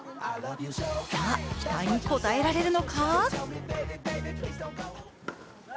さあ、期待に応えられるのか？